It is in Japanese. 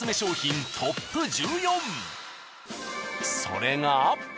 それが。